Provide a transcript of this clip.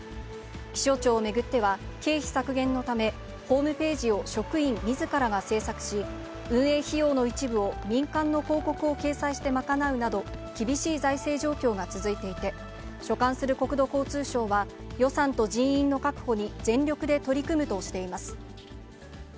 気象庁を巡っては、経費削減のため、ホームページを職員みずからが制作し、運営費用の一部を民間の広告を掲載して賄うなど、厳しい財政状況が続いていて、所管する国土交通省は、予算と人員の確保に全力で取り組むとしています。